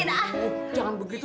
tak usuknya lebih